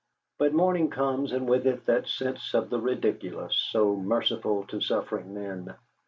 But morning comes, and with it that sense of the ridiculous, so merciful to suffering men.